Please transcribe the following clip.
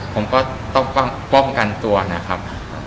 ผมก็ต้องป้องกันตัวนะครับ